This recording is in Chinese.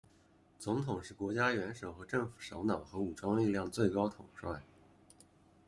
总统是国家元首和政府首脑和武装力量最高统帅。